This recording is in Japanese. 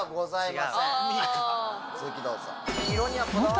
続きどうぞ。